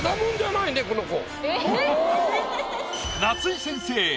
夏井先生